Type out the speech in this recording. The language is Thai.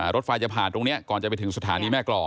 รถไฟจะผ่านตรงนี้ก่อนจะไปถึงสถานีแม่กรอง